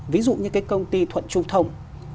ví dụ như cái công ty thuận trung thông